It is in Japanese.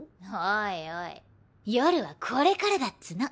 おいおい夜はこれからだっつうの。